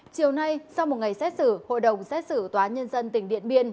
chiều nay sau một ngày xét xử hội đồng xét xử tòa nhân dân tỉnh điện biên